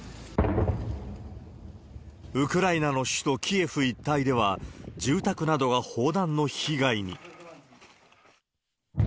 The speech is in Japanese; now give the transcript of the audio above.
ウクライナの首都キエフ一帯では、住宅などが砲弾の被害に。